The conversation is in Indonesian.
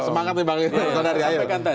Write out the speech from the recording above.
semangat nih bang renanda